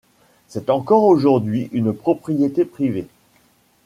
C'est encore aujourd'hui une propriété privée.